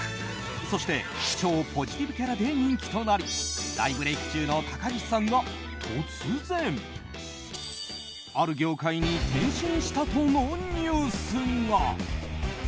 そして超ポジティブキャラで人気となり大ブレーク中の高岸さんが突然ある業界に転身したとのニュースが。